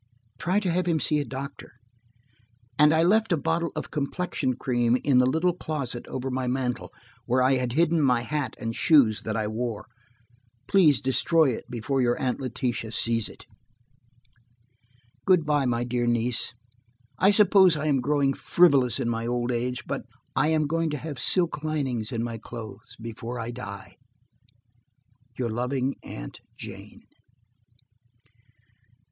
Try to have him see a doctor. And I left a bottle of complexion cream in the little closet over my mantel, where I had hidden my hat and shoes that I wore. Please destroy it before your Aunt Letitia sees it. "Good by, my dear niece. I suppose I am growing frivolous in my old age, but I am going to have silk linings in my clothes before I die. "YOUR LOVING AUNT JANE."